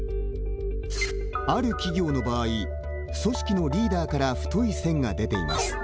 ある企業の場合組織のリーダーから太い線が出ています。